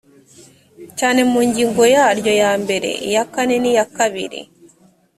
cyane mu ngingo yaryo ya mbere iya kane n iya kabiri